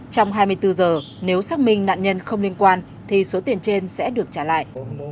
trong hai mươi bốn giờ nếu xác minh nạn nhân không liên quan thì số tiền trên sẽ được trả lại